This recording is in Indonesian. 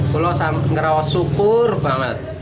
kulau ngerawas syukur banget